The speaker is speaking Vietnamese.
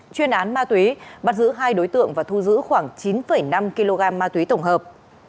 chuyên án ma túy bắt giữ hai đối tượng và thu giữ khoảng chín năm kg ma túy tổng hợp